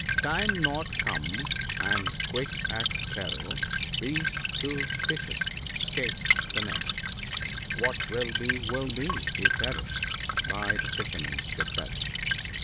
—"' Time not come '('") and ' Quick at Peril,' these two fishes 'scaped (he net ;' What will be will be,' he perished, by the fishermen beset."